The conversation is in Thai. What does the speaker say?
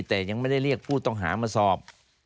แต่ยังไม่ได้เรียกผู้ต้องหามาสอบ